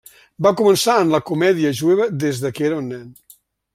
Va començar en la comèdia jueva des que era un nen.